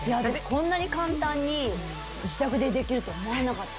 こんなに簡単に自宅でできるって思わなかった。